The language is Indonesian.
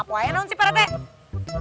bukannya saya wawanianan apalagi melecehkan